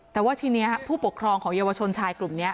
แต่ว่าทีนี้ผู้ปกครองของเยาวชนชายกลุ่มนี้